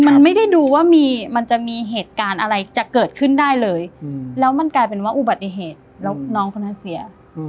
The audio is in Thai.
มันไม่ได้ดูว่ามีมันจะมีเหตุการณ์อะไรจะเกิดขึ้นได้เลยแล้วมันกลายเป็นว่าอุบัติเหตุแล้วน้องคนนั้นเสีย